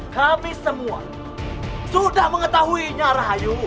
kami semua sudah mengetahuinya rahayu